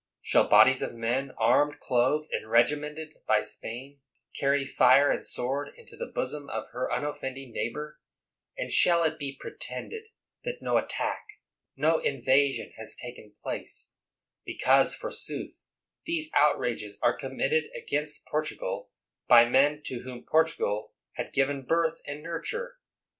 Shall bodies of men, armed, clothed, and regimented by Spain, carry fire and sword into the bosom of her unoffending neighbor, and shall it be pretended that no at 120 CANNING tack, no invasion has taken place, because, for sooth, these outrages are committed against Por tugal by men to whom Portugal had given birth and nurture